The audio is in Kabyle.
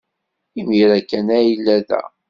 Imir-a kan ay yella da.